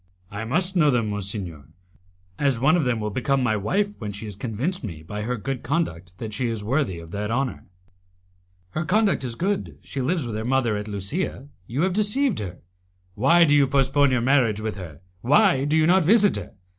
"I must know them, monsignor, as one of them will become my wife when she has convinced me by her good conduct that she is worthy of that honour." "Her conduct is good, she lives with her mother at Lusia; you have deceived her. Why do you postpone your marriage with her? Why do you not visit her?